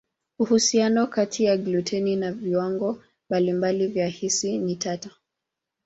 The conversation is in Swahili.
Uhusiano kati ya gluteni na viwango mbalimbali vya hisi ni tata.